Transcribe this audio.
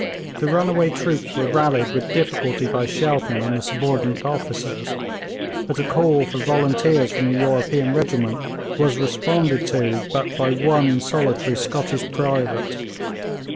The runaway troops were rallied with difficulty by Shelton and the subordinate officers, but a call for volunteers from the European regiment was responded to but by one solitary Scottish private.